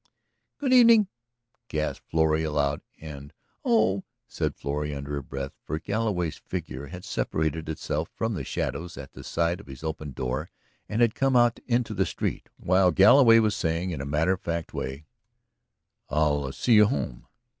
"Good evening!" gasped Florrie aloud. And "Oh!" said Florrie under her breath. For Galloway's figure had separated itself from the shadows at the side of his open door and had come out into the street, while Galloway was saying in a matter of fact way: "I'll see you home."